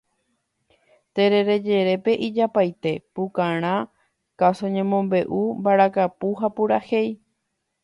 Terere jerépe ijapaite: pukarã, káso ñemombe'u, mbarakapu ha purahéi.